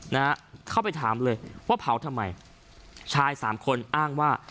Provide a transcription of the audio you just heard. นะฮะเข้าไปถามเลยว่าเผาทำไมชายสามคนอ้างว่า